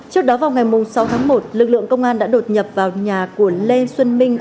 trước đó vào ngày sáu tháng một lực lượng công an đã đột nhập vào nhà của lê xuân minh